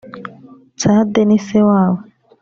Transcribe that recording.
Tsade ni sewabo